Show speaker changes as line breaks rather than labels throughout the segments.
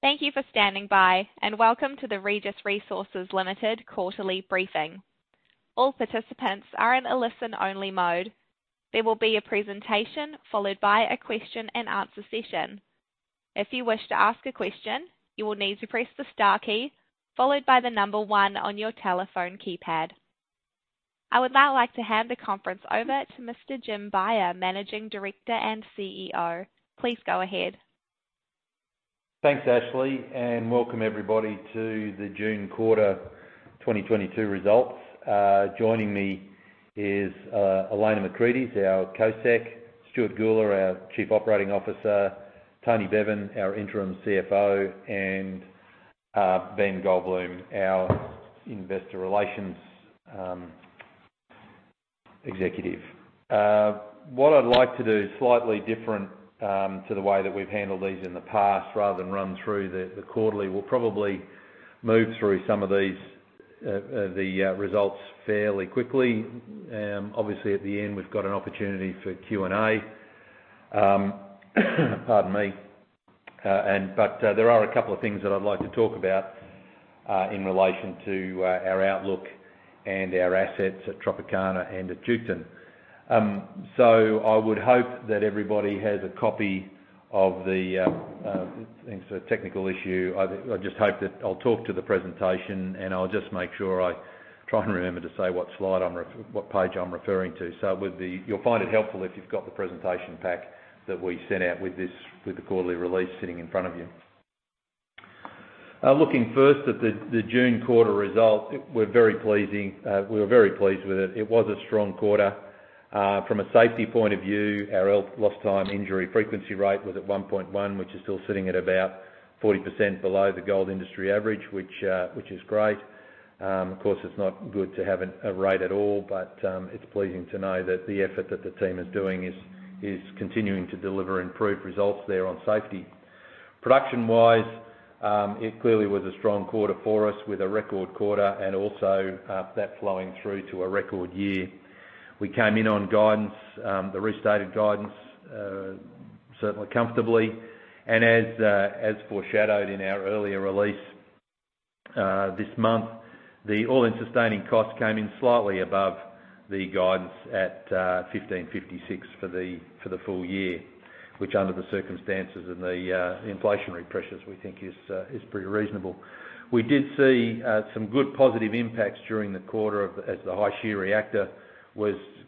Thank you for standing by, and welcome to the Regis Resources Limited quarterly briefing. All participants are in a listen-only mode. There will be a presentation followed by a question and answer session. If you wish to ask a question, you will need to press the star key followed by the number one on your telephone keypad. I would now like to hand the conference over to Mr. Jim Beyer, Managing Director and CEO. Please go ahead.
Thanks, Ashley, and welcome everybody to the June quarter 2022 results. Joining me is Elena Macrides, our Co-Sec, Stuart Gula, our Chief Operating Officer, Tony Bevan, our interim CFO, and Ben Goldbloom, our investor relations executive. What I'd like to do slightly different to the way that we've handled these in the past, rather than run through the quarterly, we'll probably move through some of these, the results fairly quickly. Obviously at the end, we've got an opportunity for Q&A. Pardon me. There are a couple of things that I'd like to talk about in relation to our outlook and our assets at Tropicana and at Duketon. I would hope that everybody has a copy of the. There's a technical issue. I just hope that I'll talk through the presentation, and I'll just make sure I try and remember to say what slide I'm referring to, what page I'm referring to. You'll find it helpful if you've got the presentation pack that we sent out with this, with the quarterly release sitting in front of you. Looking first at the June quarter results, we're very pleased, we were very pleased with it. It was a strong quarter. From a safety point of view, our lost time injury frequency rate was at 1.1, which is still sitting at about 40% below the gold industry average, which is great. Of course, it's not good to have a rate at all, but it's pleasing to know that the effort that the team is doing is continuing to deliver improved results there on safety. Production-wise, it clearly was a strong quarter for us with a record quarter and also that flowing through to a record year. We came in on guidance, the restated guidance, certainly comfortably. As foreshadowed in our earlier release this month, the all-in sustaining cost came in slightly above the guidance at 1,556 for the full year, which under the circumstances and the inflationary pressures we think is pretty reasonable. We did see some good positive impacts during the quarter as the high shear reactor was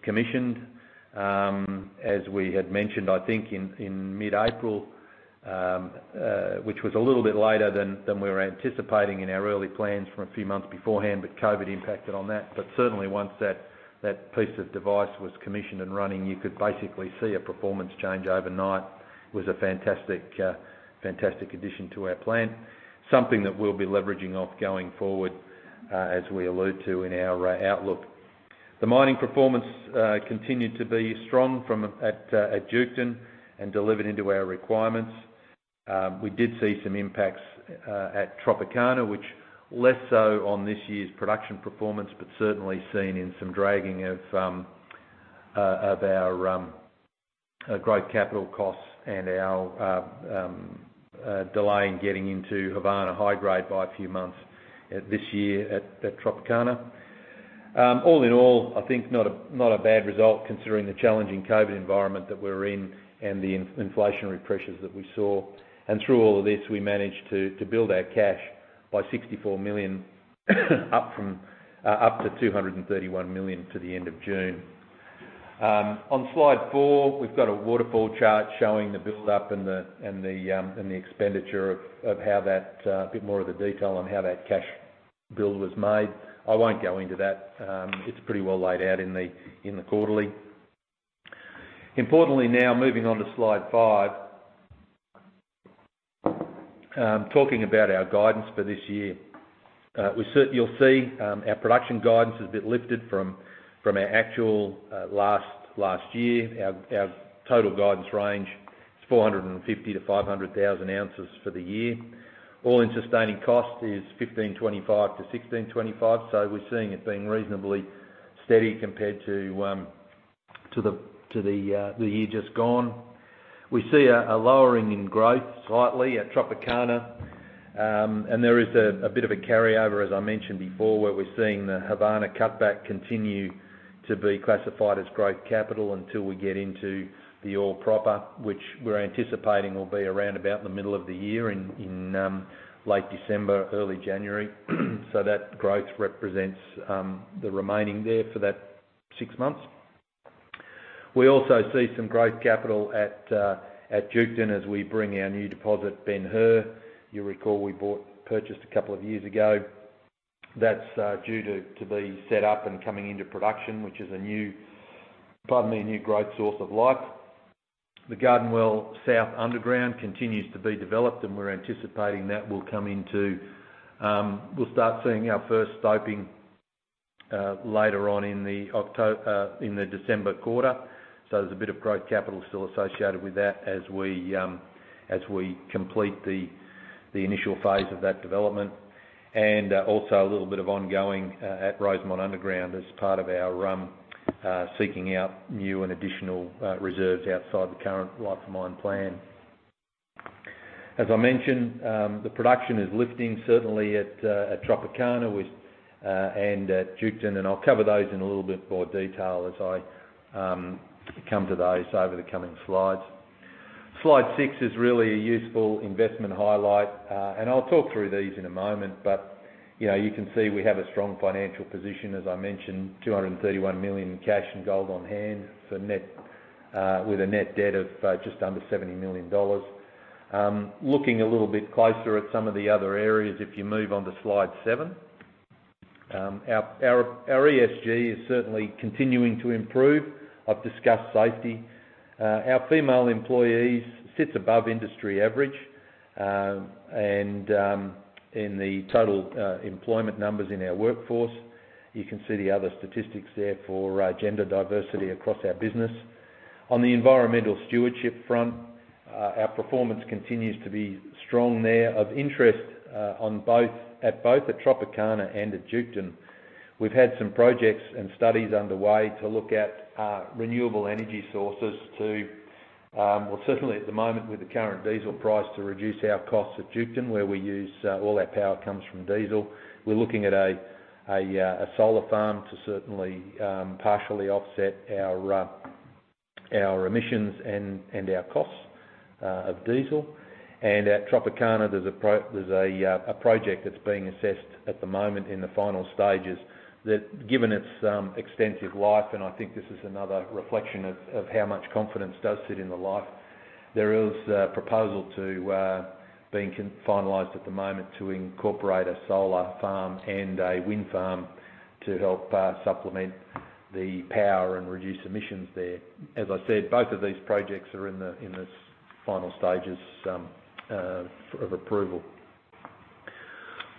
commissioned. As we had mentioned, I think in mid-April, which was a little bit later than we were anticipating in our early plans from a few months beforehand, but COVID impacted on that. Certainly once that piece of equipment was commissioned and running, you could basically see a performance change overnight. It was a fantastic addition to our plant. Something that we'll be leveraging off going forward, as we allude to in our outlook. The mining performance continued to be strong at Duketon and delivered into our requirements. We did see some impacts at Tropicana, which less so on this year's production performance, but certainly seen in some dragging of our growth capital costs and our delay in getting into Havana high grade by a few months this year at Tropicana. All in all, I think not a bad result considering the challenging COVID environment that we're in and the inflationary pressures that we saw. Through all of this, we managed to build our cash by 64 million, up to 231 million to the end of June. On slide four, we've got a waterfall chart showing the build-up and the expenditure, a bit more of the detail on how that cash build was made. I won't go into that. It's pretty well laid out in the quarterly. Importantly now, moving on to slide five. Talking about our guidance for this year. You'll see our production guidance has been lifted from our actual last year. Our total guidance range is 450,000-500,000 ounces for the year. All-in sustaining cost is 1,525-1,625. We're seeing it being reasonably steady compared to the year just gone. We see a lowering in growth slightly at Tropicana. There is a bit of a carryover, as I mentioned before, where we're seeing the Havana cutback continue to be classified as growth capital until we get into the ore proper, which we're anticipating will be around about the middle of the year in late December, early January. That growth represents the remaining there for that six months. We also see some growth capital at Duketon as we bring our new deposit Ben Hur. You recall we purchased a couple of years ago. That's due to be set up and coming into production, which is a new great source of life. The Garden Well South underground continues to be developed, and we're anticipating that will come into, we'll start seeing our first stoping later on in the December quarter. There's a bit of growth capital still associated with that as we complete the initial phase of that development. Also a little bit of ongoing at Rosemont Underground as part of our seeking out new and additional reserves outside the current life of mine plan. As I mentioned, the production is lifting certainly at Tropicana with and at Duketon, and I'll cover those in a little bit more detail as I come to those over the coming slides. Slide six is really a useful investment highlight. I'll talk through these in a moment, but you know, you can see we have a strong financial position. As I mentioned, 231 million in cash and gold on hand for net, with a net debt of just under 70 million dollars. Looking a little bit closer at some of the other areas, if you move on to slide seven. Our ESG is certainly continuing to improve. I've discussed safety. Our female employees sits above industry average, and in the total employment numbers in our workforce, you can see the other statistics there for gender diversity across our business. On the environmental stewardship front, our performance continues to be strong there. Of interest, on both, at both Tropicana and Duketon. We've had some projects and studies underway to look at renewable energy sources to, well, certainly at the moment with the current diesel price, to reduce our costs at Duketon, where we use all our power comes from diesel. We're looking at a solar farm to certainly partially offset our emissions and our costs of diesel. At Tropicana, there's a project that's being assessed at the moment in the final stages that given its extensive life, and I think this is another reflection of how much confidence does sit in the life. There is a proposal being finalized at the moment to incorporate a solar farm and a wind farm to help supplement the power and reduce emissions there. As I said, both of these projects are in the final stages of approval.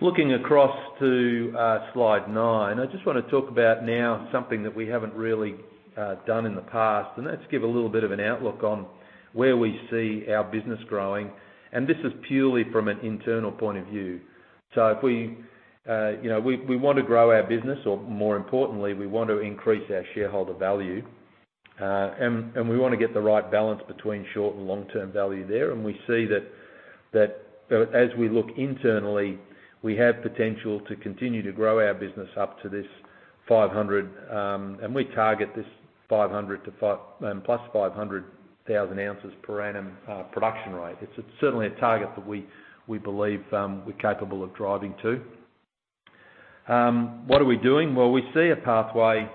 Looking across to slide nine, I just wanna talk about now something that we haven't really done in the past, and that's give a little bit of an outlook on where we see our business growing. This is purely from an internal point of view. If we, you know, we want to grow our business, or more importantly, we want to increase our shareholder value. We wanna get the right balance between short and long-term value there. We see that though as we look internally, we have potential to continue to grow our business up to this 500, and we target this 500 to 500+ 500,000 ounces per annum production rate. It's certainly a target that we believe we're capable of driving to. What are we doing? Well, we see a pathway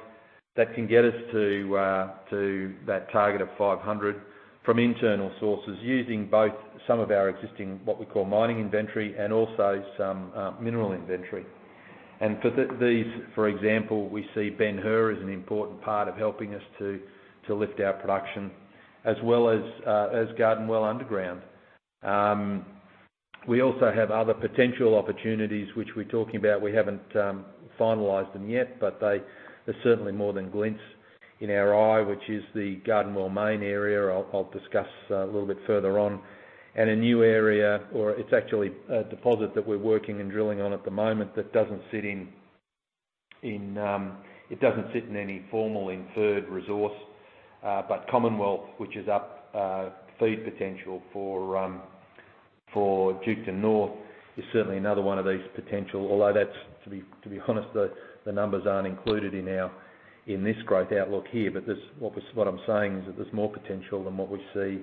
that can get us to that target of 500 from internal sources using both some of our existing, what we call mining inventory, and also some mineral inventory. For these, for example, we see Ben Hur as an important part of helping us to lift our production, as well as Garden Well underground. We also have other potential opportunities which we're talking about. We haven't finalized them yet, but there's certainly more than glints in our eye, which is the Garden Well main area I'll discuss a little bit further on. A new area, or it's actually a deposit that we're working and drilling on at the moment that doesn't sit in any formal inferred resource. Commonwealth, which is up feed potential for Duketon North, is certainly another one of these potential, although that's to be honest, the numbers aren't included in this growth outlook here. What I'm saying is that there's more potential than what we see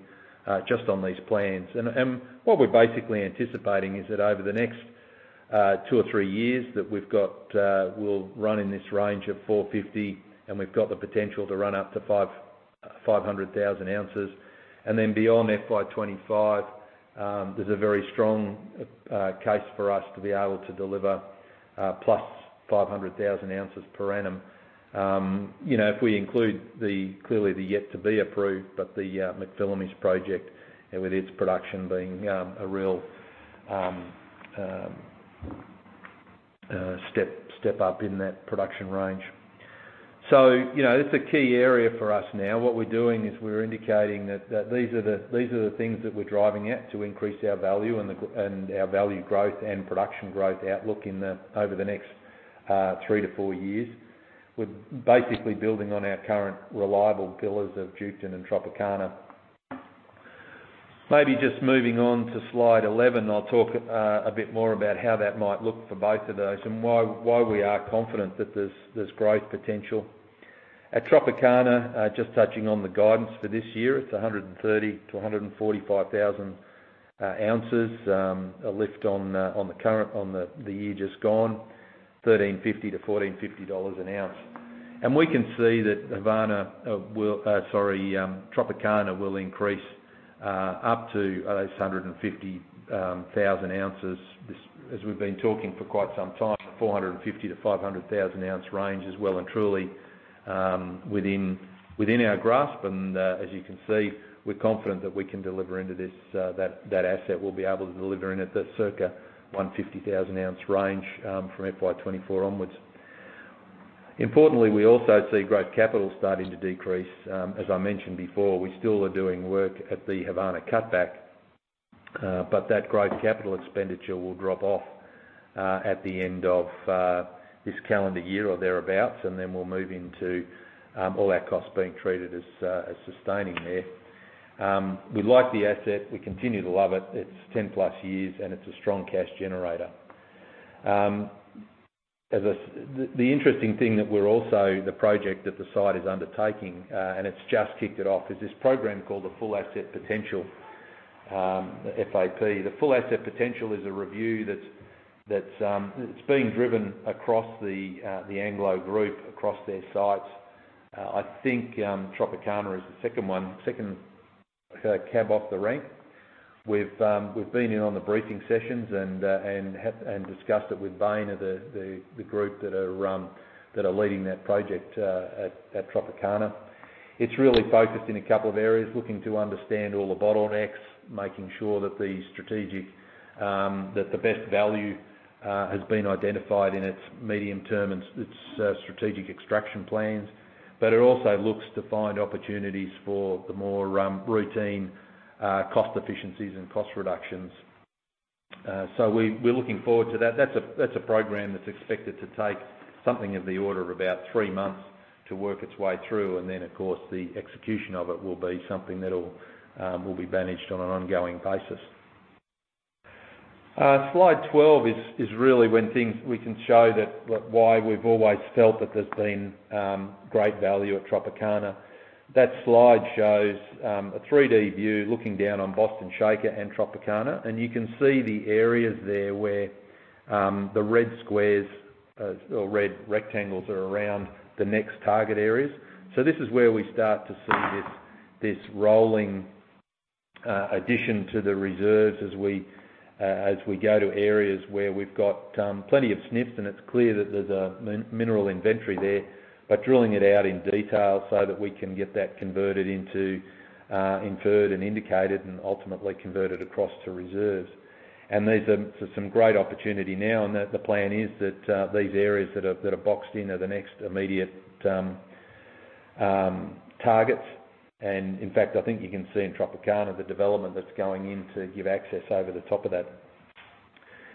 just on these plans. What we're basically anticipating is that over the next two or three years, we'll run in this range of 450, and we've got the potential to run up to 500 thousand ounces. Beyond FY 2025, there's a very strong case for us to be able to deliver +500,000 ounces per annum. You know, if we include the clearly the yet to be approved, but the McPhillamys project and with its production being a real step up in that production range. You know, it's a key area for us now. What we're doing is we're indicating that these are the things that we're driving at to increase our value and our value growth and production growth outlook in the over the next three-four years. We're basically building on our current reliable pillars of Duketon and Tropicana. Maybe just moving on to slide 11. I'll talk a bit more about how that might look for both of those and why we are confident that there's growth potential. At Tropicana, just touching on the guidance for this year, it's 130,000-145,000 ounces. A lift on the year just gone, 1,350-1,450 dollars an ounce. We can see that Tropicana will increase up to this 150,000 ounces. This, as we've been talking for quite some time, 450,000-500,000 ounce range is well and truly within our grasp. As you can see, we're confident that we can deliver into this, that asset. We'll be able to deliver in the circa 150,000 ounce range from FY 2024 onwards. Importantly, we also see growth capital starting to decrease. As I mentioned before, we still are doing work at the Havana cutback, but that growth capital expenditure will drop off at the end of this calendar year or thereabout, and then we'll move into all our costs being treated as sustaining there. We like the asset. We continue to love it. It's 10+ years, and it's a strong cash generator. The interesting thing that we're also the project that the site is undertaking, and it's just kicked it off, is this program called the Full Asset Potential, the FAP. The Full Asset Potential is a review that's being driven across the Anglo group, across their sites. I think Tropicana is the second cab off the rank. We've been in on the briefing sessions and have discussed it with Bain, the group that are leading that project at Tropicana. It's really focused in a couple of areas, looking to understand all the bottlenecks, making sure that the best value has been identified in its medium term and its strategic extraction plans. It also looks to find opportunities for the more routine cost efficiencies and cost reductions. We're looking forward to that. That's a program that's expected to take something of the order of about three months to work its way through. Then, of course, the execution of it will be something that'll be managed on an ongoing basis. Slide 12 is really where we can show that, like, why we've always felt that there's been great value at Tropicana. That slide shows a three day view looking down on Boston Shaker and Tropicana, and you can see the areas there where the red squares or red rectangles are around the next target areas. This is where we start to see this rolling addition to the reserves as we go to areas where we've got plenty of sniffs, and it's clear that there's a mineral inventory there, by drilling it out in detail so that we can get that converted into inferred and indicated and ultimately converted across to reserves. These are some great opportunity now, and the plan is that these areas that are boxed in are the next immediate targets. In fact, I think you can see in Tropicana the development that's going in to give access over the top of that.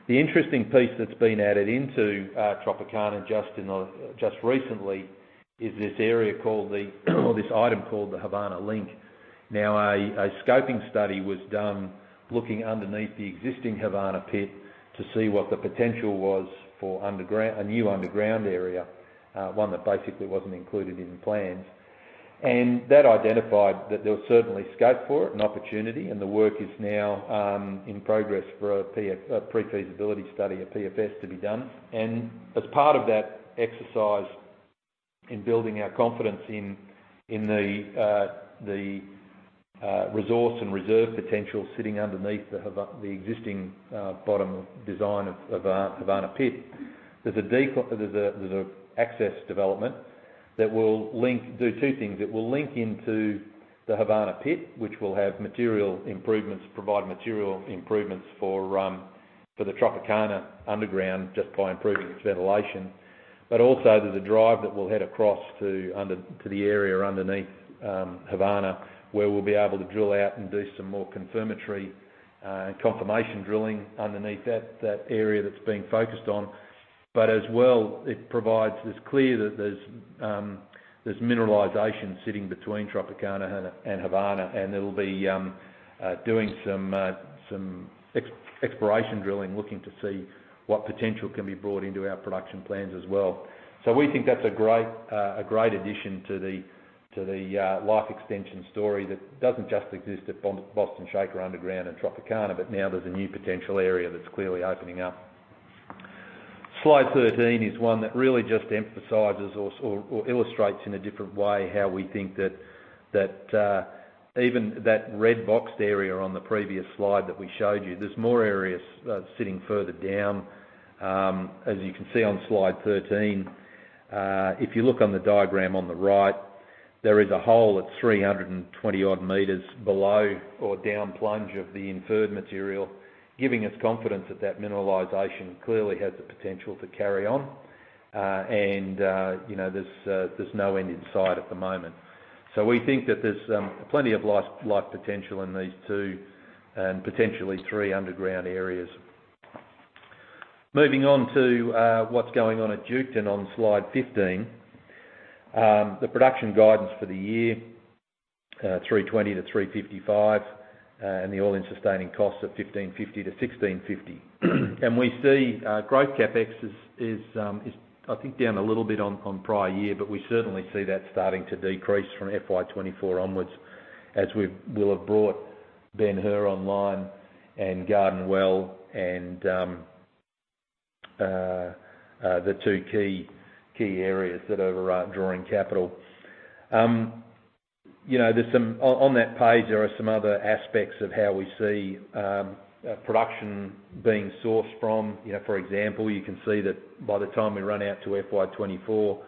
The interesting piece that's been added into Tropicana just recently is this area called the, or this item called the Havana Link. A scoping study was done looking underneath the existing Havana pit to see what the potential was for a new underground area, one that basically wasn't included in the plans. That identified that there was certainly scope for it, an opportunity, and the work is now in progress for a pre-feasibility study, a PFS to be done. As part of that exercise in building our confidence in the resource and reserve potential sitting underneath the existing bottom design of Havana pit, there's an access development that will link, do two things. It will link into the Havana pit, which will provide material improvements for the Tropicana underground just by improving its ventilation. Also, there's a drive that will head across to the area underneath Havana, where we'll be able to drill out and do some more confirmation drilling underneath that area that's being focused on. As well, it provides clarity that there's mineralization sitting between Tropicana and Havana, and it'll be doing some exploration drilling, looking to see what potential can be brought into our production plans as well. We think that's a great addition to the life extension story that doesn't just exist at Boston Shaker underground and Tropicana, but now there's a new potential area that's clearly opening up. Slide 13 is one that really just emphasizes or illustrates in a different way how we think that even that red boxed area on the previous slide that we showed you, there's more areas sitting further down. As you can see on Slide 13, if you look on the diagram on the right, there is a hole at 320-odd meters below or down plunge of the inferred material, giving us confidence that that mineralization clearly has the potential to carry on, and you know, there's no end in sight at the moment. We think that there's plenty of life potential in these two and potentially three underground areas. Moving on to what's going on at Duketon on Slide 15. The production guidance for the year, 320-355, and the all-in sustaining costs of 1,550-1,650. We see growth CapEx is I think down a little bit on prior year, but we certainly see that starting to decrease from FY 2024 onwards as we'll have brought Ben Hur online and Garden Well and the two key areas that are drawing capital. You know, there's some on that page, there are some other aspects of how we see production being sourced from. You know, for example, you can see that by the time we run out to FY 2024,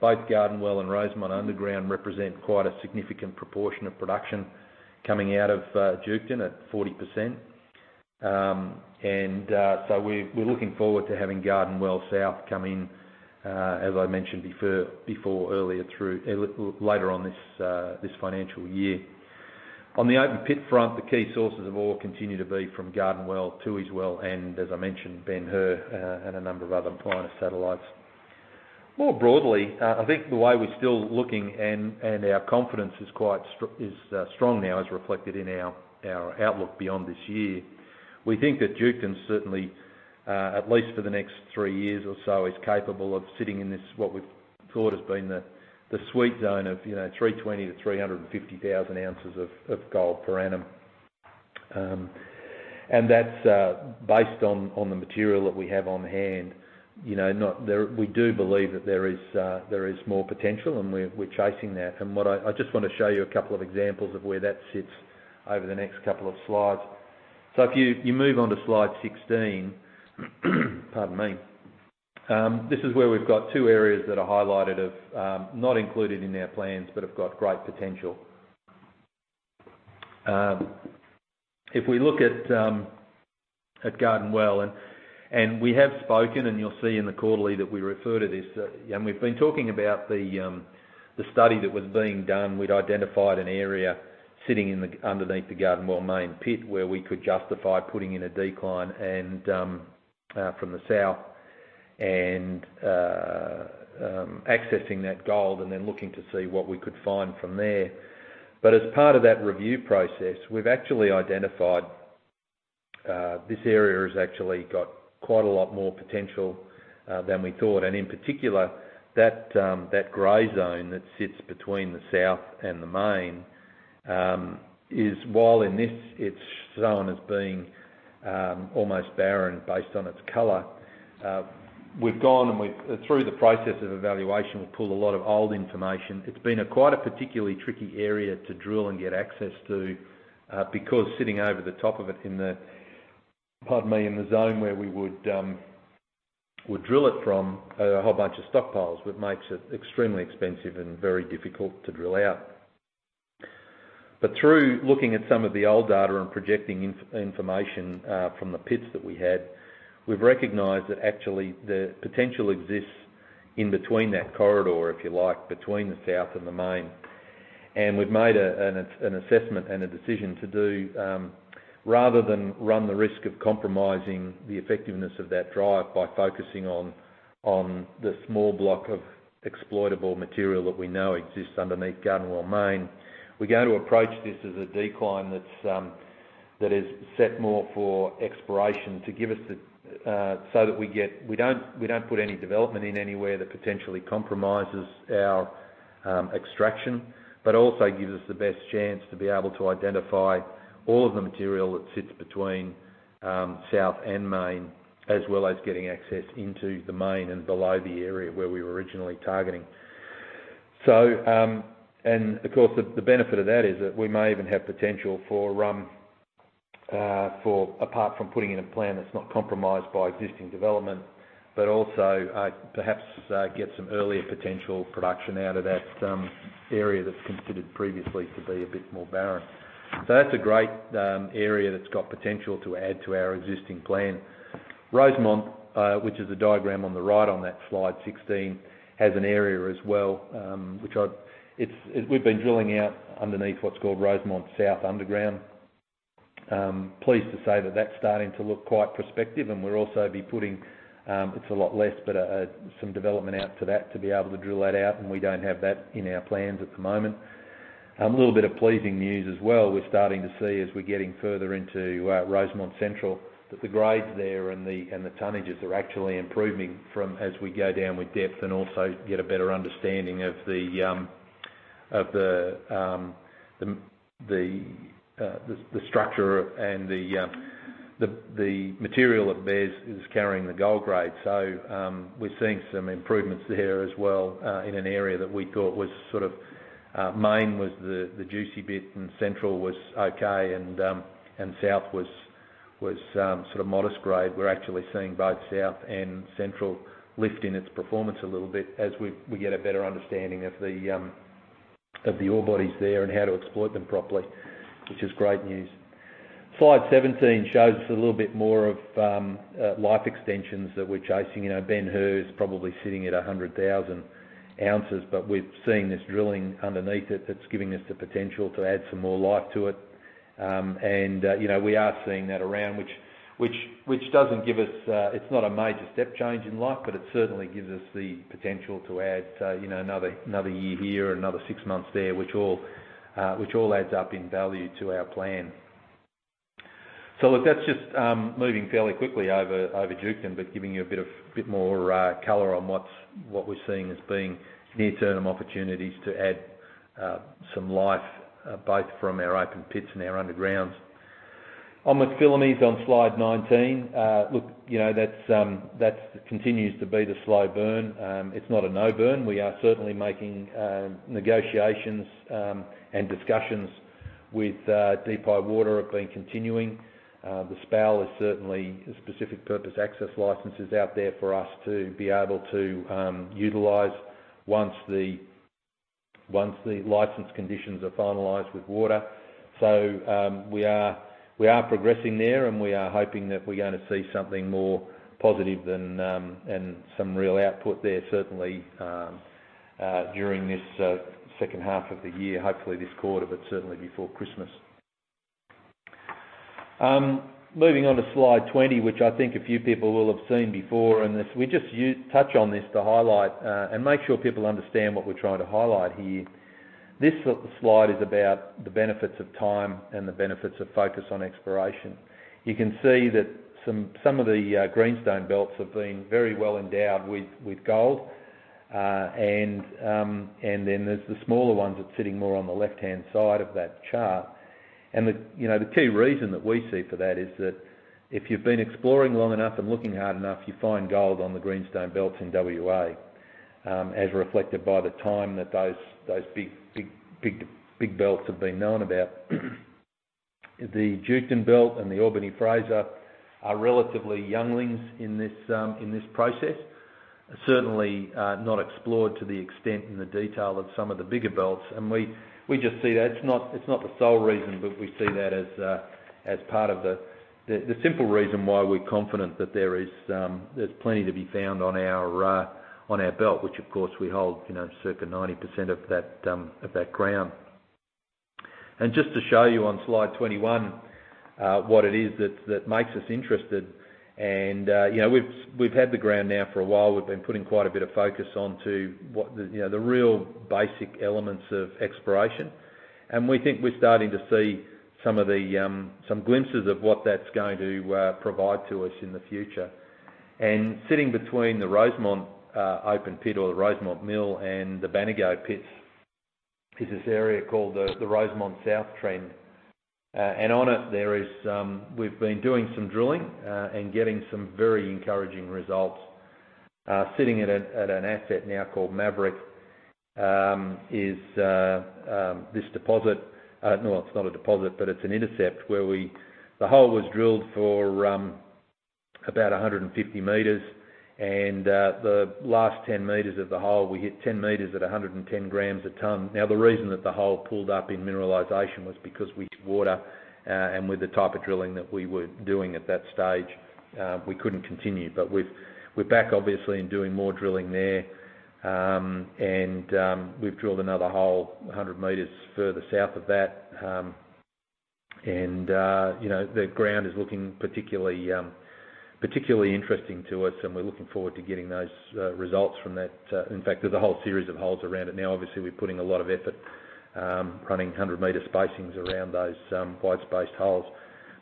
both Garden Well and Rosemont underground represent quite a significant proportion of production coming out of Duketon at 40%. We're looking forward to having Garden Well South come in, as I mentioned before, later on this financial year. On the open pit front, the key sources of ore continue to be from Garden Well, Tooheys Well, and as I mentioned, Ben Hur, and a number of other minor satellites. More broadly, I think the way we're still looking and our confidence is quite strong now, as reflected in our outlook beyond this year. We think that Duketon, certainly, at least for the next three years or so, is capable of sitting in this, what we've thought has been the sweet zone of, you know, 320-350,000 ounces of gold per annum. That's based on the material that we have on hand, you know. We do believe that there is more potential, and we're chasing that. I just wanna show you a couple of examples of where that sits over the next couple of slides. If you move on to slide 16. Pardon me. This is where we've got two areas that are highlighted, not included in our plans, but have got great potential. If we look at Garden Well, and we have spoken, and you'll see in the quarterly that we refer to this, and we've been talking about the study that was being done. We'd identified an area sitting underneath the Garden Well main pit, where we could justify putting in a decline from the south and accessing that gold and then looking to see what we could find from there. As part of that review process, we've actually identified this area has actually got quite a lot more potential than we thought. In particular, that gray zone that sits between the south and the main is, while in this, it's shown as being almost barren based on its color. We've gone through the process of evaluation, we've pulled a lot of old information. It's been quite a particularly tricky area to drill and get access to, because sitting over the top of it in the zone where we would drill it from are a whole bunch of stockpiles, which makes it extremely expensive and very difficult to drill out. Through looking at some of the old data and projecting information from the pits that we had, we've recognized that actually the potential exists in between that corridor, if you like, between the south and the main. We've made an assessment and a decision to do rather than run the risk of compromising the effectiveness of that drive by focusing on the small block of exploitable material that we know exists underneath Garden Well Main, we're going to approach this as a decline that's that is set more for exploration to give us the so that we get. We don't put any development in anywhere that potentially compromises our extraction, but also gives us the best chance to be able to identify all of the material that sits between south and main, as well as getting access into the main and below the area where we were originally targeting. Of course, the benefit of that is that we may even have potential for apart from putting in a plan that's not compromised by existing development, but also, perhaps, get some earlier potential production out of that area that's considered previously to be a bit more barren. That's a great area that's got potential to add to our existing plan. Rosemont, which is the diagram on the right on that slide 16, has an area as well, which we've been drilling out underneath what's called Rosemont South Underground. Pleased to say that that's starting to look quite prospective, and we'll also be putting it's a lot less, but some development out to that, to be able to drill that out, and we don't have that in our plans at the moment. A little bit of pleasing news as well. We're starting to see, as we're getting further into Rosemont Central, that the grades there and the tonnages are actually improving from as we go down with depth and also get a better understanding of the structure and the material that bears is carrying the gold grade. We're seeing some improvements there as well, in an area that we thought was sort of Moolart was the juicy bit and central was okay, and south was sort of modest grade. We're actually seeing both south and central lift in its performance a little bit as we get a better understanding of the ore bodies there and how to exploit them properly, which is great news. Slide 17 shows a little bit more of life extensions that we're chasing. You know, Ben Hur is probably sitting at 100,000 ounces, but we're seeing this drilling underneath it that's giving us the potential to add some more life to it. You know, we are seeing that around which doesn't give us. It's not a major step change in life, but it certainly gives us the potential to add, you know, another year here, another six months there, which all adds up in value to our plan. Look, that's just moving fairly quickly over Duketon, but giving you a bit more color on what we're seeing as being near-term opportunities to add some life both from our open pits and our undergrounds. On McPhillamys on slide 19, look, you know, that's continues to be the slow burn. It's not a no burn. We are certainly making negotiations and discussions with DPI Water have been continuing. The SPAL is certainly a specific purpose access license out there for us to be able to utilize once the license conditions are finalized with Water. We are progressing there, and we are hoping that we're gonna see something more positive than and some real output there certainly during this second half of the year, hopefully this quarter, but certainly before Christmas. Moving on to slide 20, which I think a few people will have seen before. This, we just touch on this to highlight and make sure people understand what we're trying to highlight here. This slide is about the benefits of time and the benefits of focus on exploration. You can see that some of the greenstone belts have been very well endowed with gold. Then there's the smaller ones that's sitting more on the left-hand side of that chart. The key reason that we see for that is that if you've been exploring long enough and looking hard enough, you find gold on the greenstone belts in WA, as reflected by the time that those big belts have been known about. The Duketon Belt and the Albany-Fraser are relatively younglings in this process. Certainly, not explored to the extent and the detail of some of the bigger belts. We just see that it's not the sole reason, but we see that as part of the simple reason why we're confident that there's plenty to be found on our belt, which of course we hold, you know, circa 90% of that ground. Just to show you on slide 21, what it is that makes us interested, and you know, we've had the ground now for a while. We've been putting quite a bit of focus onto what the, you know, the real basic elements of exploration. We think we're starting to see some glimpses of what that's going to provide to us in the future. Sitting between the Rosemont open pit or the Rosemont Mill and the Baneygo pits is this area called the Rosemont South Trend. On it, we've been doing some drilling and getting some very encouraging results. Sitting at an asset now called Maverick is this deposit. No, it's not a deposit, but it's an intercept. The hole was drilled for about 150 m, and the last 10 m of the hole, we hit 10 m at 110 g a ton. Now, the reason that the hole pulled up in mineralization was because we hit water, and with the type of drilling that we were doing at that stage, we couldn't continue. We're back obviously and doing more drilling there, and we've drilled another hole 100 m further south of that. You know, the ground is looking particularly interesting to us, and we're looking forward to getting those results from that. In fact, there's a whole series of holes around it. Now, obviously, we're putting a lot of effort running 100-m spacings around those wide-spaced holes.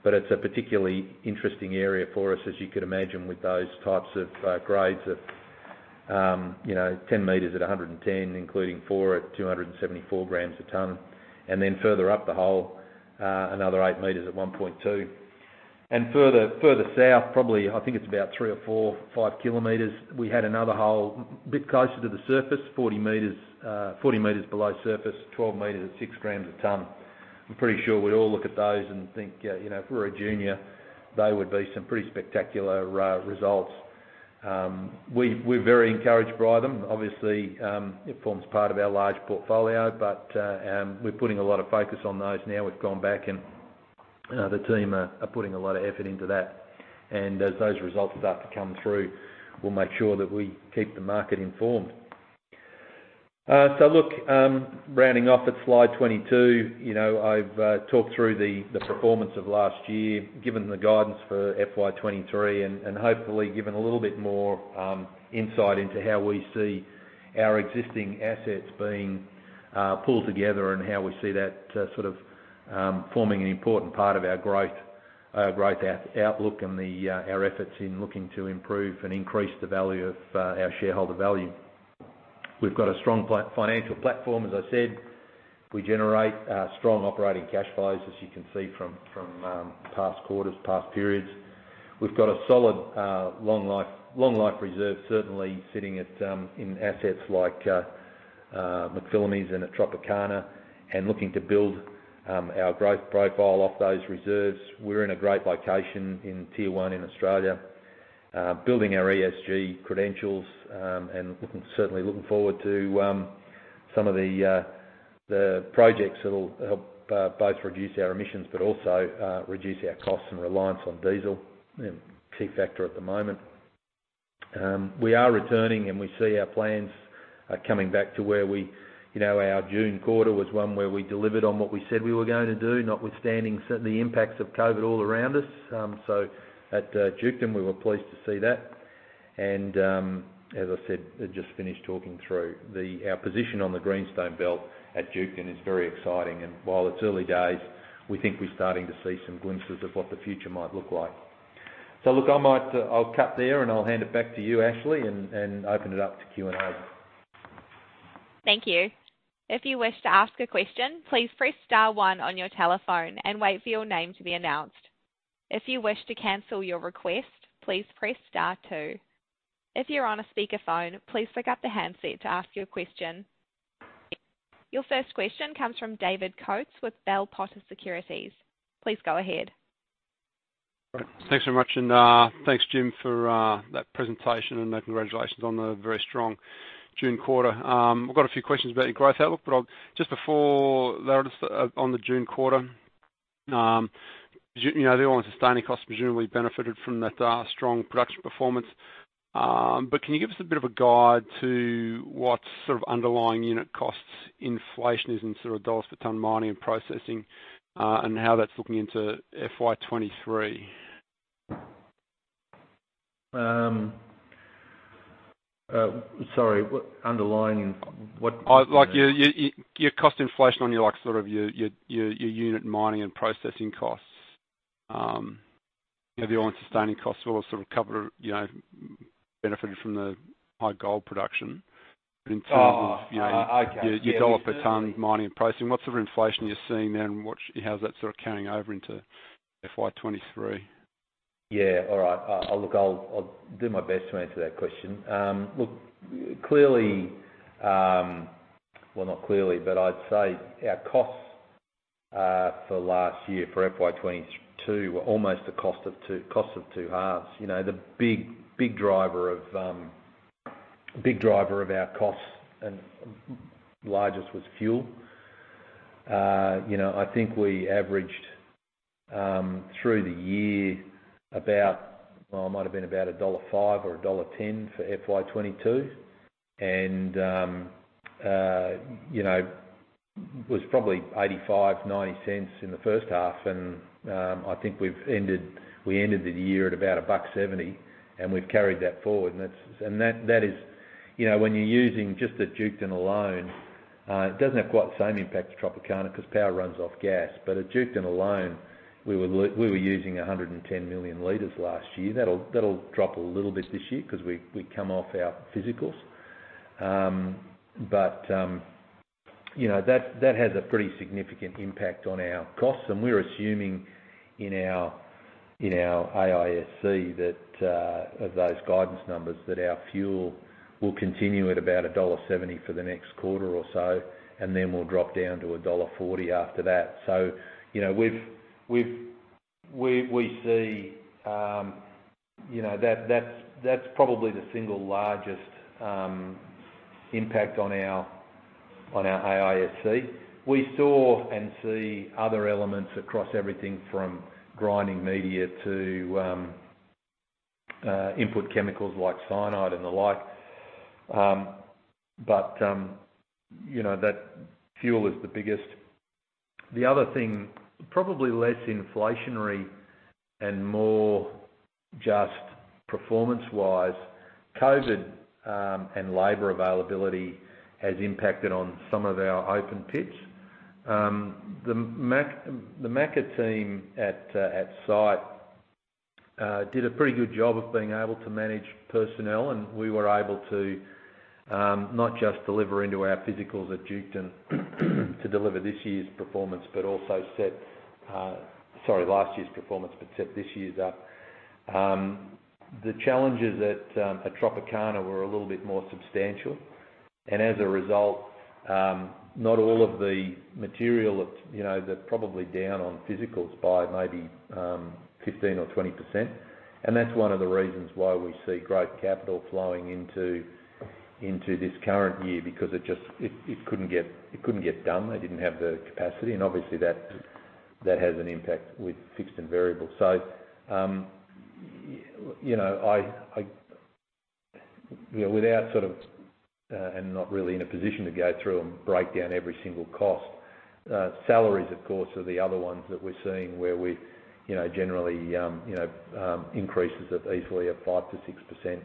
It's a particularly interesting area for us, as you could imagine, with those types of grades that you know, 10 m at 110, including 4 at 274 g a ton, and then further up the hole, another 8 m at 1.2. Further south, probably, I think it's about 3 or 4, 5 km, we had another hole bit closer to the surface, 40 m below surface, 12 m at 6 g a ton. I'm pretty sure we all look at those and think, you know, if we're a junior, they would be some pretty spectacular results. We're very encouraged by them. Obviously, it forms part of our large portfolio, but we're putting a lot of focus on those now. We've gone back, and the team are putting a lot of effort into that. As those results start to come through, we'll make sure that we keep the market informed. Rounding off at slide 22, you know, I've talked through the performance of last year, given the guidance for FY 2023, and hopefully given a little bit more insight into how we see our existing assets being pulled together and how we see that sort of forming an important part of our growth outlook and our efforts in looking to improve and increase the value of our shareholder value. We've got a strong financial platform, as I said. We generate strong operating cash flows, as you can see from past quarters, past periods. We've got a solid long life reserve, certainly sitting in assets like McPhillamys and at Tropicana and looking to build our growth profile off those reserves. We're in a great location in tier one in Australia. Building our ESG credentials, and looking certainly forward to some of the projects that'll help both reduce our emissions, but also reduce our costs and reliance on diesel, a key factor at the moment. We are returning, and we see our plans are coming back to where we, you know, our June quarter was one where we delivered on what we said we were gonna do, notwithstanding the impacts of COVID all around us. At Duketon, we were pleased to see that. As I said, I just finished talking through the, our position on the Greenstone Belt at Duketon is very exciting. While it's early days, we think we're starting to see some glimpses of what the future might look like. Look, I might, I'll cut there and I'll hand it back to you, Ashley, and open it up to Q&A.
Thank you. If you wish to ask a question, please press star one on your telephone and wait for your name to be announced. If you wish to cancel your request, please press star two. If you're on a speaker phone, please pick up the handset to ask your question. Your first question comes from David Coates with Bell Potter Securities. Please go ahead.
Thanks so much. Thanks Jim for that presentation, and congratulations on the very strong June quarter. I've got a few questions about your growth outlook, but just before that, on the June quarter, you know, the all-in sustaining costs presumably benefited from that strong production performance. But can you give us a bit of a guide to what sort of underlying unit costs inflation is in sort of AUD per tonne mining and processing, and how that's looking into FY 2023?
Sorry. What underlying what?
Like your cost inflation on your like sort of your unit mining and processing costs. You know, the all-in sustaining costs were sort of covered, you know, benefited from the high gold production. In terms of, you know.
Oh, okay.
Your AUD per tonne mining and processing. What sort of inflation are you seeing there, and how is that sort of carrying over into FY 2023?
All right. I'll do my best to answer that question. Well, not clearly, but I'd say our costs for last year for FY 2022 were almost a cost of two halves. You know, the big driver of our costs and largest was fuel. You know, I think we averaged through the year about it might have been about dollar 1.05 or dollar 1.10 for FY 2022. You know, it was probably 0.85-0.90 in the first half, and I think we ended the year at about 1.70, and we've carried that forward, and that is. You know, when you're using just at Duketon alone, it doesn't have quite the same impact as Tropicana because power runs off gas. At Duketon alone, we were using 110 million liters last year. That'll drop a little bit this year 'cause we come off our physicals. You know, that has a pretty significant impact on our costs, and we're assuming in our AISC that of those guidance numbers, that our fuel will continue at about dollar 1.70 for the next quarter or so, and then will drop down to dollar 1.40 after that. You know, we see, you know, that's probably the single largest impact on our AISC. We saw and see other elements across everything from grinding media to input chemicals like cyanide and the like. You know, that fuel is the biggest. The other thing, probably less inflationary and more just performance-wise, COVID and labor availability has impacted on some of our open pits. The MACA team at site did a pretty good job of being able to manage personnel, and we were able to not just deliver into our physicals at Duketon to deliver this year's performance, but also set. Sorry, last year's performance, but set this year's up. The challenges at Tropicana were a little bit more substantial. As a result, not all of the material that's you know, they're probably down on physicals by maybe 15% or 20%. That's one of the reasons why we see great capital flowing into this current year because it just couldn't get done. They didn't have the capacity, and obviously that has an impact with fixed and variable. You know, without sort of and not really in a position to go through and break down every single cost. Salaries, of course, are the other ones that we're seeing where we you know generally you know increases of easily 5%-6%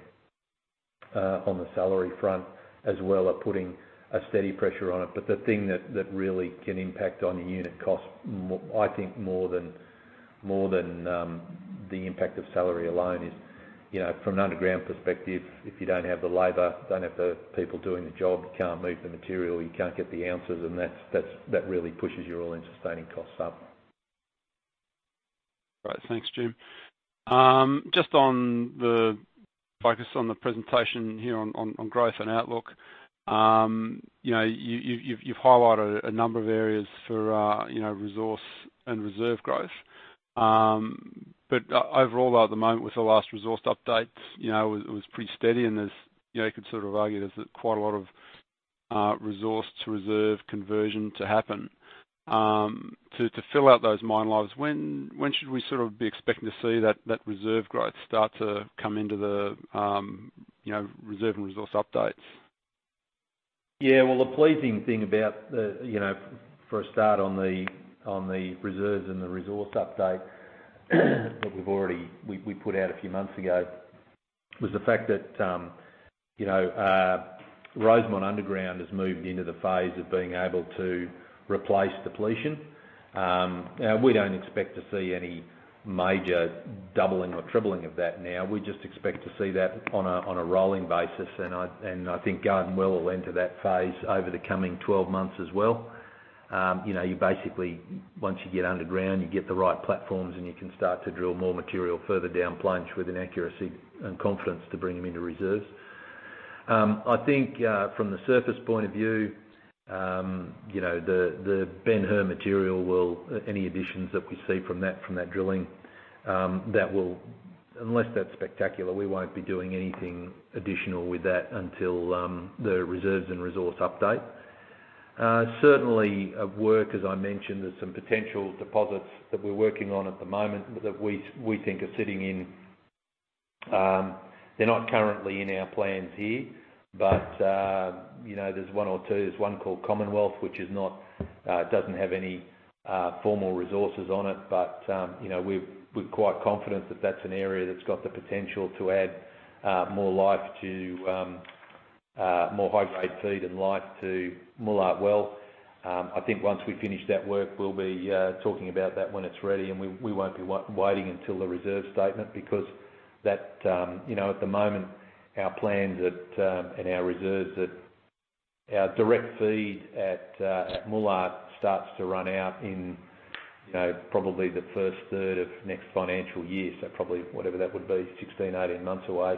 on the salary front as well are putting a steady pressure on it. The thing that really can impact on your unit cost more, I think more than the impact of salary alone is, you know, from an underground perspective, if you don't have the labor, don't have the people doing the job, you can't move the material, you can't get the ounces, and that really pushes your all-in sustaining costs up.
Right. Thanks, Jim. Just on the focus on the presentation here on growth and outlook, you know, you've highlighted a number of areas for, you know, resource and reserve growth. But overall at the moment with the last resource updates, you know, it was pretty steady, and there's, you know, you could sort of argue there's quite a lot of resource-to-reserve conversion to happen, to fill out those mine lives. When should we sort of be expecting to see that reserve growth start to come into the reserve and resource updates?
Yeah. Well, the pleasing thing about the for a start on the reserves and the resource update that we've already put out a few months ago was the fact that Rosemont underground has moved into the phase of being able to replace depletion. We don't expect to see any major doubling or tripling of that now. We just expect to see that on a rolling basis, and I think Garden Well will enter that phase over the coming 12 months as well. You know, you basically, once you get underground, you get the right platforms, and you can start to drill more material further down plunge with an accuracy and confidence to bring them into reserves. I think, from the surface point of view, you know, the Benhur material, any additions that we see from that drilling. Unless that's spectacular, we won't be doing anything additional with that until the reserves and resource update. Certainly, as I mentioned, there's some potential deposits that we're working on at the moment that we think are sitting in. They're not currently in our plans here, but you know, there's one or two. There's one called Commonwealth, which doesn't have any formal resources on it, but you know, we're quite confident that that's an area that's got the potential to add more life to more high-grade feed and life to Moolart Well. I think once we finish that work, we'll be talking about that when it's ready, and we won't be waiting until the reserve statement because that you know, at the moment, our plans and our reserves at our direct feed at Moolart starts to run out in you know, probably the first third of next financial year, so probably whatever that would be, 16, 18 months away.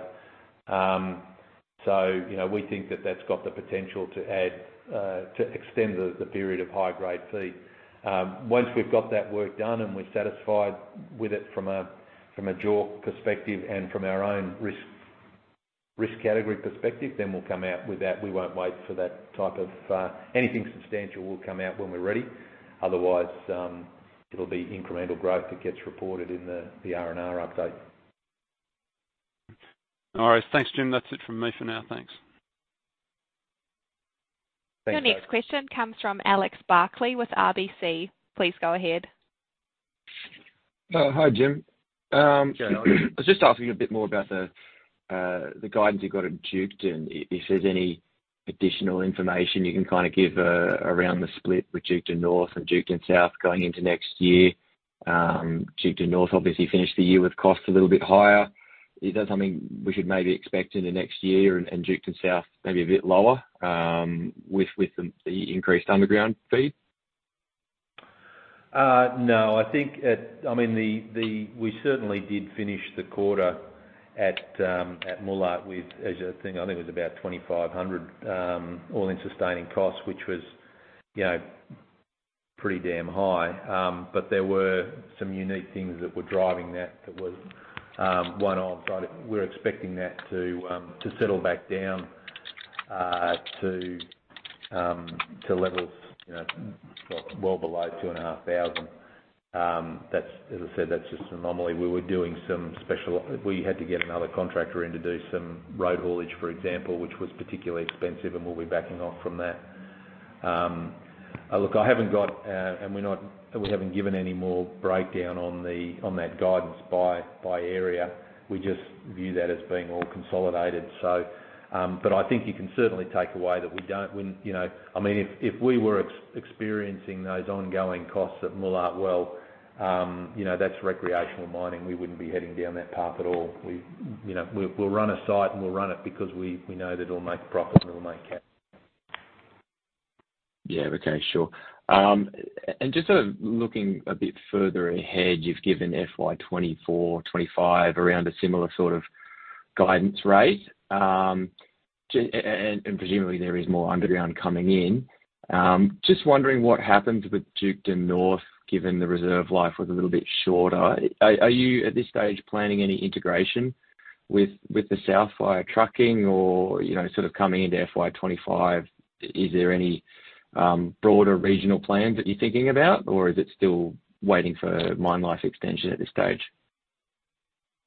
You know, we think that that's got the potential to add to extend the period of high-grade feed. Once we've got that work done and we're satisfied with it from a JORC perspective and from our own risk category perspective, then we'll come out with that. We won't wait for that type of anything substantial. We'll come out when we're ready. Otherwise, it'll be incremental growth that gets reported in the R&R update.
All right. Thanks, Jim. That's it from me for now. Thanks.
Thanks, David.
Your next question comes from Alex Barclay with RBC. Please go ahead.
Oh, hi, Jim. I was just asking a bit more about the guidance you've got at Duketon and if there's any additional information you can kinda give around the split with Duketon North and Duketon South going into next year. Duketon North obviously finished the year with costs a little bit higher. Is that something we should maybe expect in the next year and Duketon South maybe a bit lower with the increased underground feed?
No. I mean, we certainly did finish the quarter at Moolart with, as I think it was about 2,500 AUD all-in sustaining costs, which was, you know, pretty damn high. There were some unique things that were driving that, which was one-off. We're expecting that to settle back down to levels, you know, well below 2,500 AUD. That's, as I said, just an anomaly. We had to get another contractor in to do some road haulage, for example, which was particularly expensive, and we'll be backing off from that. Look, I haven't got, and we haven't given any more breakdown on that guidance by area. We just view that as being all consolidated. I think you can certainly take away that we don't you know. I mean, if we were experiencing those ongoing costs at Moolart Well, you know, that's recreational mining. We wouldn't be heading down that path at all. We you know we'll run a site, and we'll run it because we know that it'll make profit and it'll make cash.
Yeah. Okay. Sure. And just looking a bit further ahead, you've given FY 2024, 2025 around a similar sort of guidance rate, and presumably there is more underground coming in. Just wondering what happens with Duketon North, given the reserve life was a little bit shorter. Are you at this stage planning any integration with the South via trucking or, you know, sort of coming into FY 2025, is there any broader regional plans that you're thinking about or is it still waiting for mine life extension at this stage?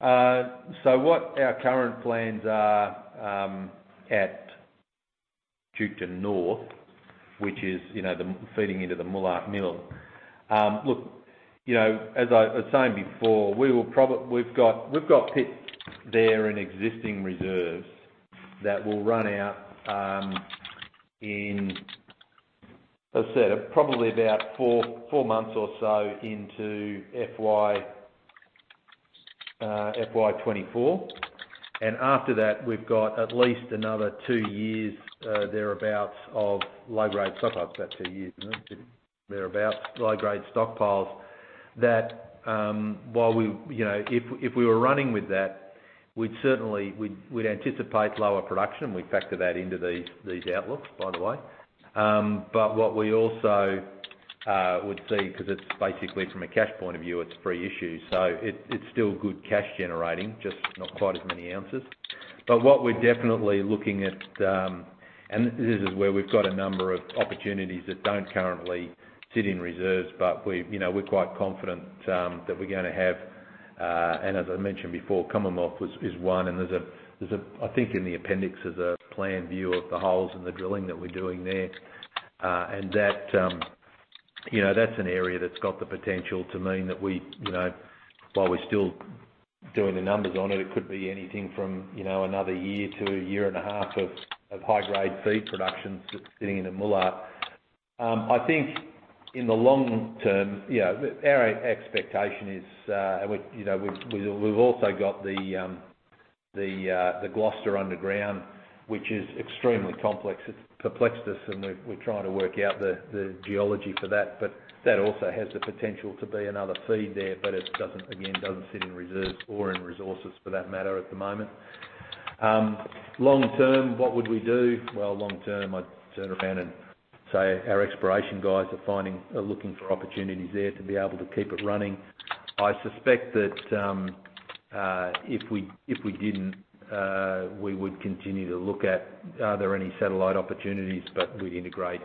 What our current plans are at Duketon North, which is, you know, the feeding into the Moolart mill. Look, you know, as I was saying before, we've got pits there in existing reserves that will run out, as I said, probably about four months or so into FY 2024. After that, we've got at least another two years thereabout of low-grade stockpiles. About two years, isn't it? Thereabout low-grade stockpiles that, while we, you know, if we were running with that, we'd certainly anticipate lower production. We factor that into these outlooks, by the way. But what we also would see, 'cause it's basically from a cash point of view, it's free issue. It is still good cash generating, just not quite as many ounces. What we're definitely looking at, and this is where we've got a number of opportunities that don't currently sit in reserves, but we, you know, we're quite confident, that we're gonna have, and as I mentioned before, Commonwealth is one. There's a, I think in the appendix, there's a plan view of the holes and the drilling that we're doing there. That, you know, that's an area that's got the potential to mean that we, you know, while we're still doing the numbers on it could be anything from, you know, another year to a year and a half of high-grade feed production sitting in the Moolart. I think in the long term, you know, our expectation is, we, you know, we've also got the Gloucester underground, which is extremely complex. It's perplexed us, and we're trying to work out the geology for that. That also has the potential to be another feed there, but it doesn't, again, doesn't sit in reserves or in resources for that matter at the moment. Long term, what would we do? Well, long term, I'd turn around and say our exploration guys are looking for opportunities there to be able to keep it running. I suspect that, if we didn't, we would continue to look at are there any satellite opportunities that we integrate?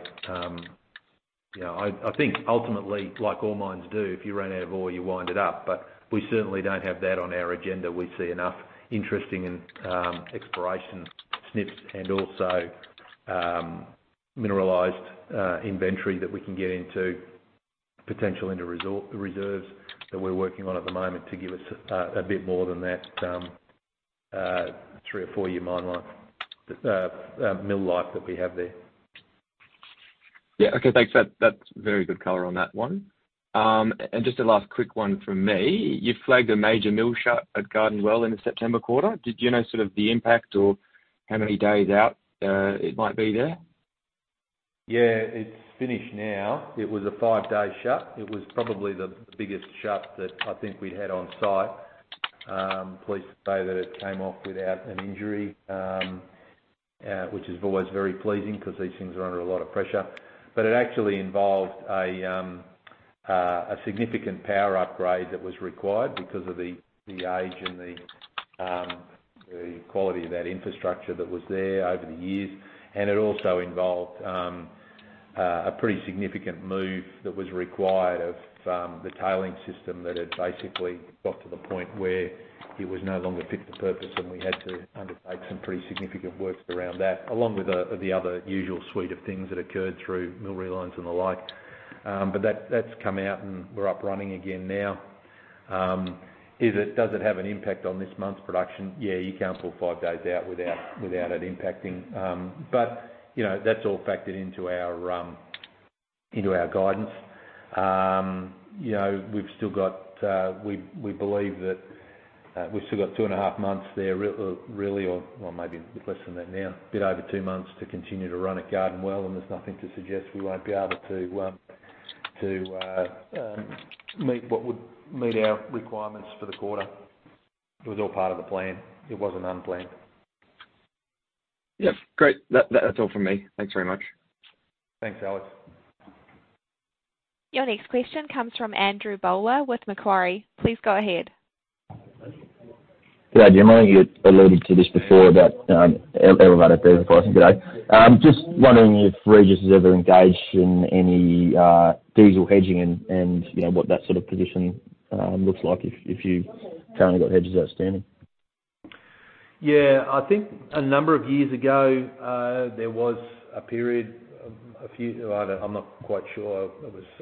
You know, I think ultimately, like all mines do, if you run out of ore, you wind it up. We certainly don't have that on our agenda. We see enough interesting and exploration snips and also mineralized inventory that we can get into potential resource-reserves that we're working on at the moment to give us a bit more than that three or four year mine life, mill life that we have there.
Yeah. Okay. Thanks. That's very good color on that one. Just a last quick one from me. You flagged a major mill shut at Garden Well in the September quarter. Did you know sort of the impact or how many days out it might be there?
Yeah, it's finished now. It was a five-day shut. It was probably the biggest shut that I think we'd had on site. Pleased to say that it came off without an injury, which is always very pleasing because these things are under a lot of pressure. But it actually involved a significant power upgrade that was required because of the age and the quality of that infrastructure that was there over the years. It also involved a pretty significant move that was required of the tailings system that had basically got to the point where it was no longer fit for purpose, and we had to undertake some pretty significant works around that, along with the other usual suite of things that occurred through mill relines and the like. That, that's come out, and we're up and running again now. Does it have an impact on this month's production? Yeah, you can't pull five days out without it impacting. You know, that's all factored into our guidance. You know, we believe that we've still got two and a half months there really, or, well, maybe less than that now, a bit over two months to continue to run at Garden Well, and there's nothing to suggest we won't be able to meet what would meet our requirements for the quarter. It was all part of the plan. It wasn't unplanned.
Yeah. Great. That's all from me. Thanks very much.
Thanks, Alex.
Your next question comes from Andrew Bowler with Macquarie. Please go ahead.
Good day. I know you alluded to this before about elevated diesel pricing today. Just wondering if Regis has ever engaged in any diesel hedging and, you know, what that sort of position looks like if you've currently got hedges outstanding.
Yeah. I think a number of years ago, there was a period, a few. I'm not quite sure.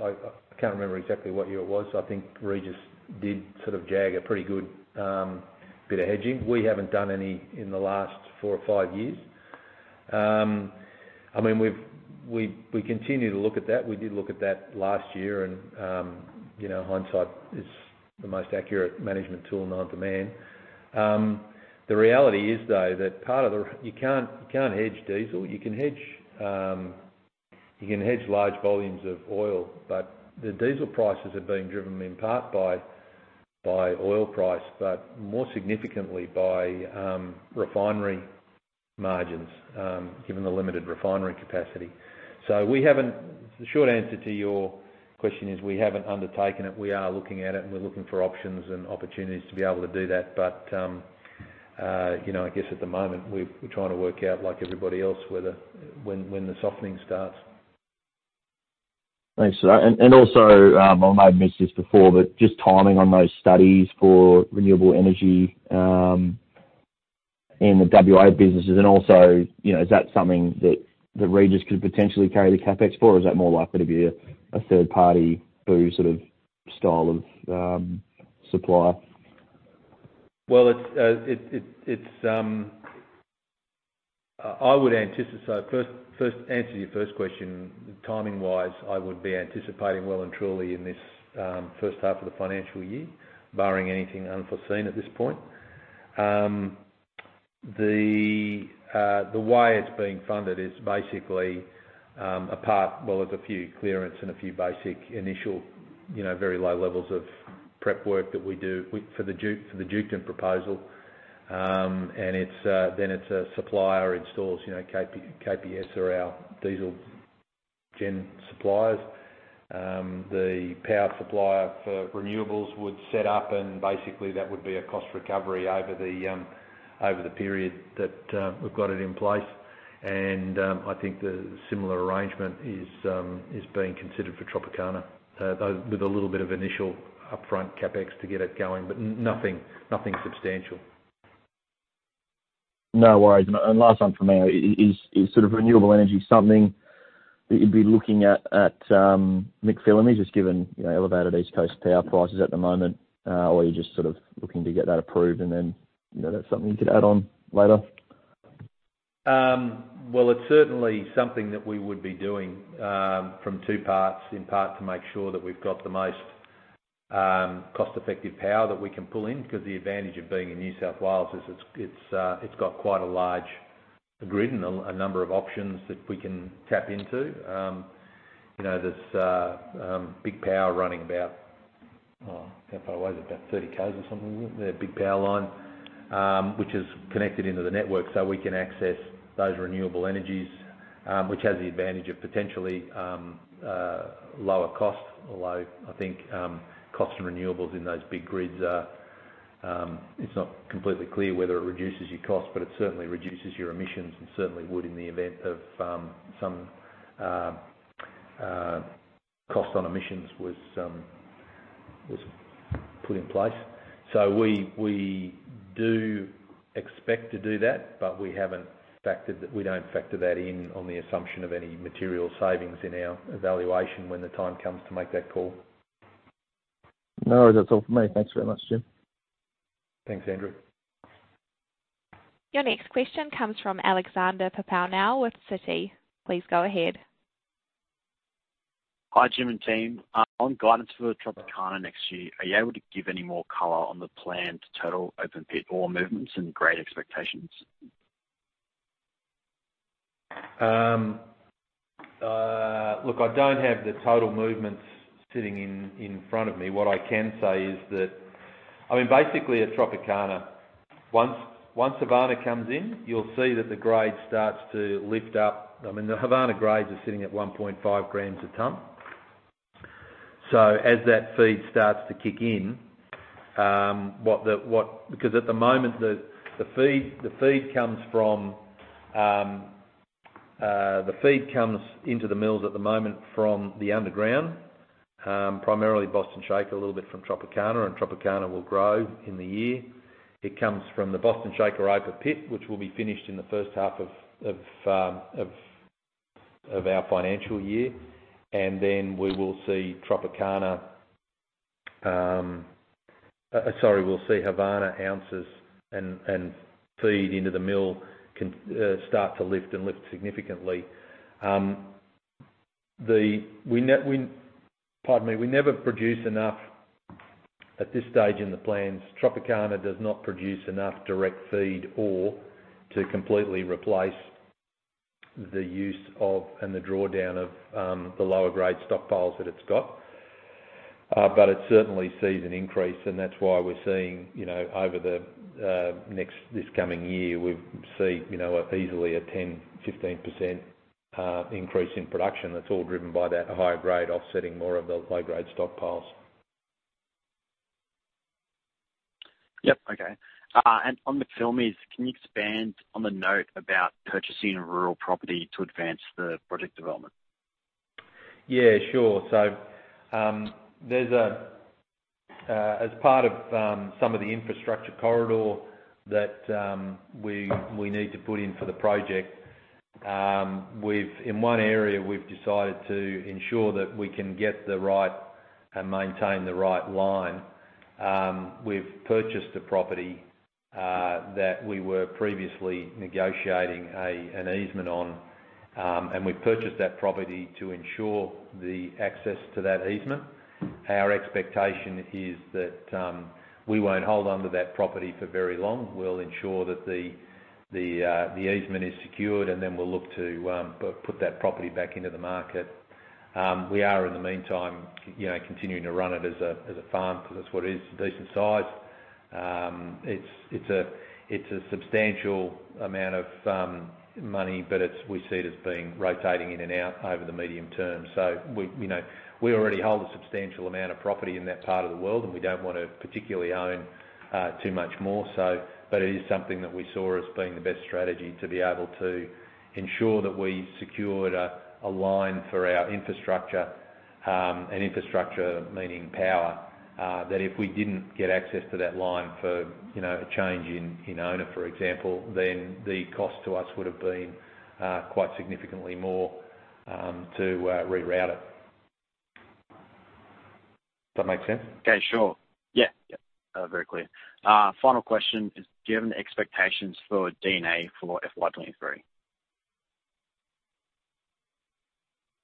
I can't remember exactly what year it was. I think Regis did sort of jag a pretty good bit of hedging. We haven't done any in the last four or five years. I mean, we continue to look at that. We did look at that last year and, you know, hindsight is the most accurate management tool known to man. The reality is, though, you can't hedge diesel. You can hedge large volumes of oil, but the diesel prices are being driven in part by oil price, but more significantly by refinery margins, given the limited refinery capacity. The short answer to your question is we haven't undertaken it. We are looking at it, and we're looking for options and opportunities to be able to do that. You know, I guess at the moment, we're trying to work out, like everybody else, whether when the softening starts.
Thanks for that. I might have missed this before, but just timing on those studies for renewable energy in the WA businesses. You know, is that something that the Regis could potentially carry the CapEx for, or is that more likely to be a third party who sort of supplies?
Well, first, answer your first question, timing-wise, I would be anticipating well and truly in this first half of the financial year, barring anything unforeseen at this point. The way it's being funded is basically, well, there's a few clearances and a few basic initial, you know, very low levels of prep work that we do for the Duketon proposal. Then it's a supplier installs, you know, KPS are our diesel gen suppliers. The power supplier for renewables would set up, and basically that would be a cost recovery over the period that we've got it in place. I think the similar arrangement is being considered for Tropicana, though with a little bit of initial upfront CapEx to get it going, but nothing substantial.
No worries. Last one from me. Is sort of renewable energy something that you'd be looking at at McPhillamy, just given, you know, elevated East Coast power prices at the moment? Are you just sort of looking to get that approved and then, you know, that's something you could add on later?
Well, it's certainly something that we would be doing from two parts, in part to make sure that we've got the most cost effective power that we can pull in. Because the advantage of being in New South Wales is it's got quite a large grid and a number of options that we can tap into. You know, there's big power running about how far away is it? About 30 K's or something, isn't it, their big power line, which is connected into the network. So we can access those renewable energies, which has the advantage of potentially lower cost. Although I think cost of renewables in those big grids are, it's not completely clear whether it reduces your cost, but it certainly reduces your emissions and certainly would in the event of some cost on emissions was put in place. We do expect to do that, but we haven't factored that. We don't factor that in on the assumption of any material savings in our evaluation when the time comes to make that call.
No, that's all from me. Thanks very much, Jim.
Thanks, Andrew.
Your next question comes from Alexander Papazov with Citi. Please go ahead.
Hi, Jim and team. On guidance for Tropicana next year, are you able to give any more color on the planned total open pit ore movements and grade expectations?
Look, I don't have the total movements sitting in front of me. What I can say is that I mean, basically at Tropicana, once Havana comes in, you'll see that the grade starts to lift up. I mean, the Havana grades are sitting at 1.5 g a ton. So as that feed starts to kick in, because at the moment the feed comes into the mills from the underground, primarily Boston Shaker, a little bit from Tropicana, and Tropicana will grow in the year. It comes from the Boston Shaker open pit, which will be finished in the first half of our financial year. We will see Tropicana. Sorry, we'll see higher ounces and feed into the mill start to lift significantly. Pardon me. We never produce enough at this stage in the plans. Tropicana does not produce enough direct feed or to completely replace the use of and the drawdown of the lower grade stockpiles that it's got. It certainly sees an increase, and that's why we're seeing, you know, over the next this coming year, we see, you know, easily a 10%-15% increase in production. That's all driven by that higher grade offsetting more of the low grade stockpiles.
Yep. Okay. On McPhillamys, can you expand on the note about purchasing a rural property to advance the project development?
Yeah. Sure. There's as part of some of the infrastructure corridor that we need to put in for the project. In one area, we've decided to ensure that we can get the right and maintain the right line. We've purchased a property that we were previously negotiating an easement on. We've purchased that property to ensure the access to that easement. Our expectation is that we won't hold on to that property for very long. We'll ensure that the easement is secured, and then we'll look to put that property back into the market. We are in the meantime, you know, continuing to run it as a farm because that's what it is, decent size. It's a substantial amount of money, but we see it as being rotating in and out over the medium term. We, you know, already hold a substantial amount of property in that part of the world, and we don't wanna particularly own too much more. It is something that we saw as being the best strategy to be able to ensure that we secured a line for our infrastructure, and infrastructure meaning power, that if we didn't get access to that line for, you know, a change in owner, for example, then the cost to us would have been quite significantly more to reroute it. Does that make sense?
Okay. Sure. Yeah. Yeah. Very clear. Final question is, do you have any expectations for D&A for FY 2023?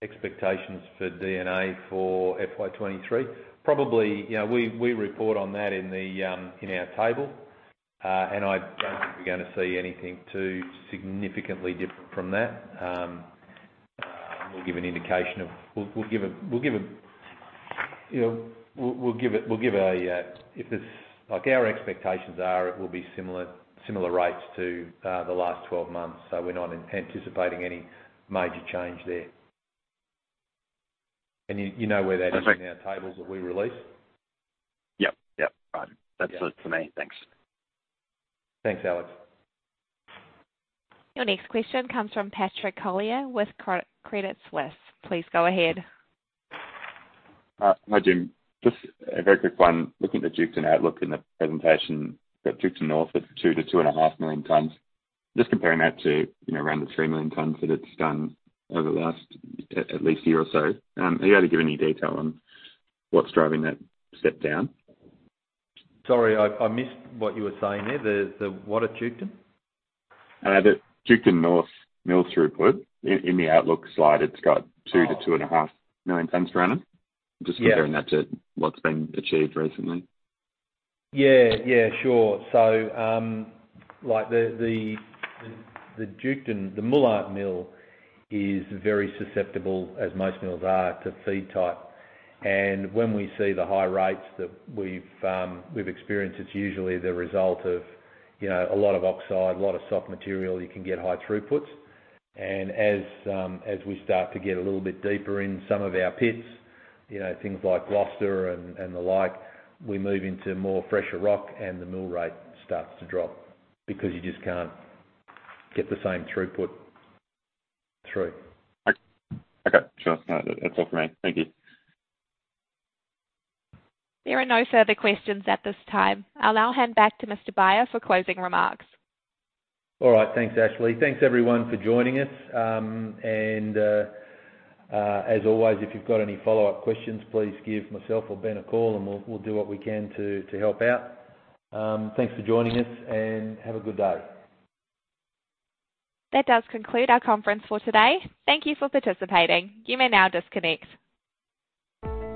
Expectations for D&A for FY 2023? Probably, you know, we report on that in our table. I don't think we're gonna see anything too significantly different from that. We'll give an indication of. Like, our expectations are it will be similar rates to the last 12 months. We're not anticipating any major change there. You know where that is in our tables that we release.
Yep. Yep. Right. That's it for me. Thanks.
Thanks, Alex.
Your next question comes from Patrick Collier with Credit Suisse. Please go ahead.
Hi, Jim. Just a very quick one. Looking at the Duketon outlook in the presentation, you've got Duketon North at 2-2.5 million tons. Just comparing that to, you know, around the 3 million tons that it's done over the last at least year or so, are you able to give any detail on what's driving that step down?
Sorry, I missed what you were saying there. The what at Duketon?
The Duketon North mill throughput. In the outlook slide, it's got 2-2.5 million tons running.
Yeah.
Just comparing that to what's been achieved recently.
Yeah. Yeah. Sure. Like, the Duketon, the Moolart Mill is very susceptible, as most mills are, to feed type. When we see the high rates that we've experienced, it's usually the result of, you know, a lot of oxide, a lot of soft material, you can get high throughputs. As we start to get a little bit deeper in some of our pits, you know, things like Gloucester and the like, we move into more fresher rock, and the mill rate starts to drop because you just can't get the same throughput through.
Okay. Sure. No, that's all for me. Thank you.
There are no further questions at this time. I'll now hand back to Mr. Beyer for closing remarks.
All right. Thanks, Ashley. Thanks everyone for joining us. As always, if you've got any follow-up questions, please give myself or Ben a call, and we'll do what we can to help out. Thanks for joining us and have a good day.
That does conclude our conference for today. Thank you for participating. You may now disconnect.